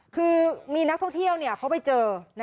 คือมีนักท่องเที่ยวเขาไปเจอ